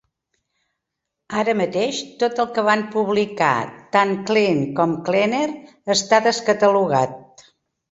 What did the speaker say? Ara mateix, tot el que van publicar tant Cleen com Cleaner està descatalogat.